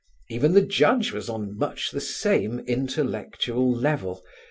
Even the Judge was on much the same intellectual level.